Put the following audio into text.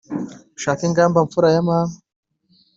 Ushake ingamba mfura ya Mama